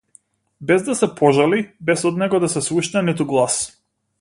Без да се пожали, без од него да се слушне ниту глас.